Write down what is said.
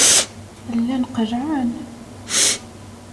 Llan qellɛen.